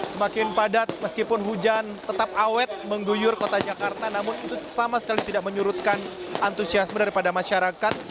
semakin padat meskipun hujan tetap awet mengguyur kota jakarta namun itu sama sekali tidak menyurutkan antusiasme daripada masyarakat